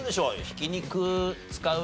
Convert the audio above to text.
ひき肉使う料理